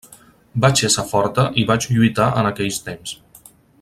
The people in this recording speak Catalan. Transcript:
Vaig ésser forta i vaig lluitar en aquells temps.